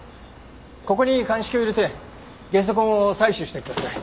ここに鑑識を入れてゲソ痕を採取してください。